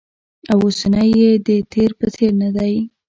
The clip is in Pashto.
او اوسنی یې د تېر په څېر ندی